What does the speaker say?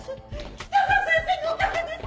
北澤先生のおかげです！